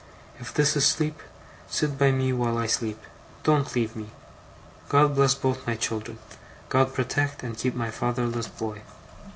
If this is sleep, sit by me while I sleep: don't leave me. God bless both my children! God protect and keep my fatherless boy!"